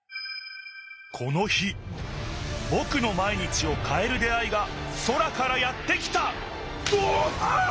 この日ぼくの毎日をかえる出会いが空からやって来たおおっああ！